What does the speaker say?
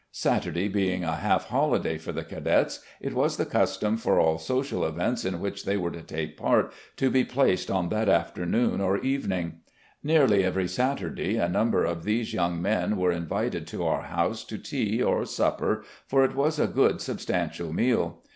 Saturday being a half holiday for the cadets, it was the custom for all social events in which they were to take part to be placed on i8 RECOLLECTIONS OF GENERAL LEE that afternoon or evening. Nearly every Saturday a number of these young men were invited to our house to tea, or supper, for it was a good, substantial meal.